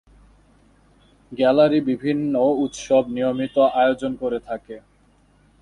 Gallery বিভিন্ন উৎসব নিয়মিত আয়োজন করে থাকে।